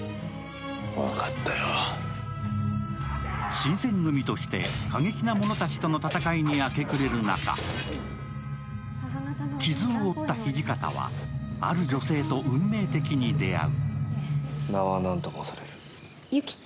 新選組として過激な者たちとの戦いに明け暮れる中、傷を負った土方はある女性と運命的に出会う。